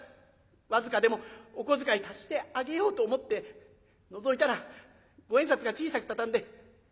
僅かでもお小遣い足してあげようと思ってのぞいたら五円札が小さく畳んで３枚入ってる１５円入ってる。